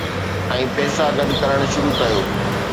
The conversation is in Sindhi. ۽ پئسا گڏ ڪرڻ شروع ڪيو